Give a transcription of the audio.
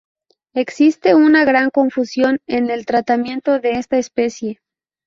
Existe una gran confusión en el tratamiento de esta especie.